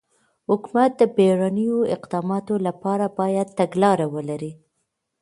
حکومت د بېړنیو اقداماتو لپاره باید تګلاره ولري.